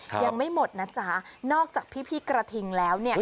ยังไม่หมดนะจ๊ะนอกจากพี่กระทิงแล้วเนี่ย